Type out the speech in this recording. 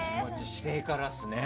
姿勢からですね